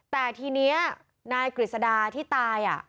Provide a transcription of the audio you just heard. แต่ทีนี้นายกฤษดาที่ตาย